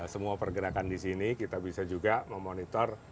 semua pergerakan di sini kita bisa juga memonitor